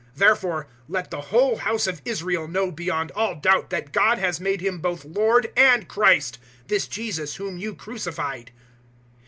002:036 "Therefore let the whole House of Israel know beyond all doubt that God has made Him both LORD and CHRIST this Jesus whom you crucified."